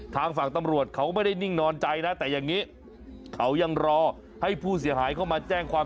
ทางฝั่งตำรวจเขาไม่ได้นิ่งนอนใจนะแต่อย่างนี้เขายังรอให้ผู้เสียหายเข้ามาแจ้งความ